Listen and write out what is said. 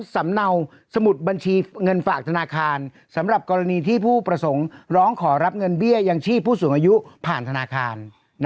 สำเนาสมุดบัญชีเงินฝากธนาคารสำหรับกรณีที่ผู้ประสงค์ร้องขอรับเงินเบี้ยยังชีพผู้สูงอายุผ่านธนาคาร